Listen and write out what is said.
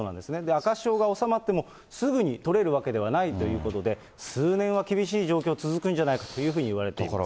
赤潮が収まっても、すぐに取れるわけではないということで、数年は厳しい状況続くんじゃないかというふうにいわれています。